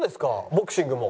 ボクシングも？